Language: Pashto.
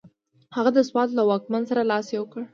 هغه د سوات له واکمن سره لاس یو کړ.